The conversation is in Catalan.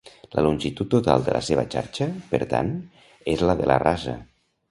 La longitud total de la seva xarxa, per tant, és la de la rasa.